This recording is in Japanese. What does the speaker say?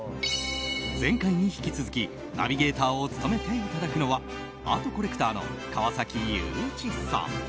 前回に引き続きナビゲーターを務めていただくのはアートコレクターの川崎祐一さん。